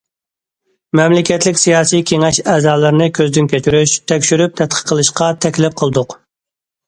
مەملىكەتلىك سىياسىي كېڭەش ئەزالىرىنى كۆزدىن كەچۈرۈش، تەكشۈرۈپ تەتقىق قىلىشقا تەكلىپ قىلدۇق.